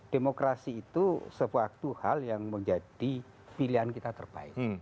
demokrasi itu suatu hal yang menjadi pilihan kita terbaik